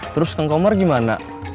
terus kang komar gimana